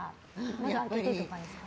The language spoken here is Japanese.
窓開けてとかですか？